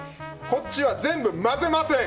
こっちは全部、混ぜません！